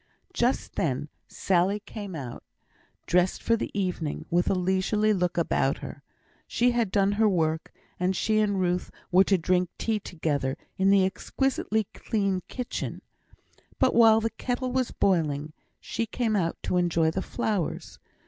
Just then Sally came out, dressed for the evening, with a leisurely look about her. She had done her work, and she and Ruth were to drink tea together in the exquisitely clean kitchen; but while the kettle was boiling, she came out to enjoy the flowers.